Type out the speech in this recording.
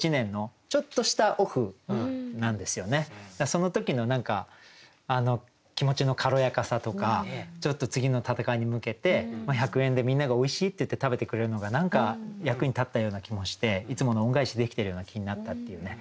その時の何か気持ちの軽やかさとかちょっと次の戦いに向けて百円でみんなが「おいしい」って言って食べてくれるのが何か役に立ったような気もしていつもの恩返しできてるような気になったっていうね。